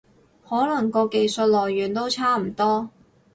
可能個技術來源都差唔多